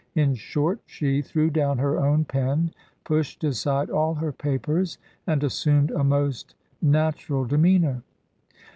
In short, she threw down her own pen, pushed aside all her papers, and assumed a most natural demeanour.